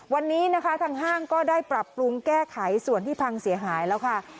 วันนี้นะคะทางห้างก็ได้ปรับปรุงแก้ไขส่วนที่พังเสียหายแล้วค่ะ